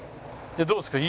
どうですか？